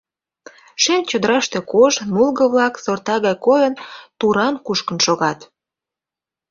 Шем чодыраште кож, нулго-влак, сорта гай койын, туран кушкын шогат.